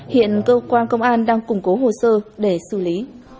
hiện cơ quan công an đang củng cố hồ sơ để xử lý